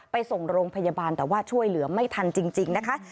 ไปส่งโรงพยาบาลแต่ว่าช่วยเหลือไม่ทันจริงนะคะ